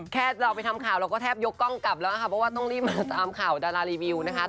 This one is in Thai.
แค่เราไปทำข่าวเราก็แทบยกกล้องกลับแล้วนะคะเพราะว่าต้องรีบมาตามข่าวดารารีวิวนะคะ